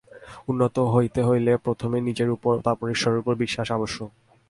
উন্নত হইতে হইলে প্রথমে নিজের উপর, তারপর ঈশ্বরের উপর বিশ্বাস আবশ্যক।